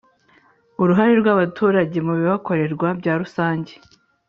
Uruhare rw abaturage mu bibakorerwa byarusanjye